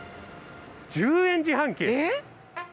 １０円自販機？